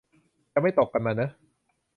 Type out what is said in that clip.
จะไม่ตกกันมาเนอะ